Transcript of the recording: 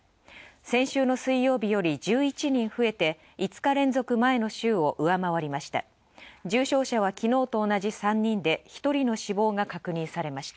先週の水曜日より１１人増えて５日連続、前の週を上回りました。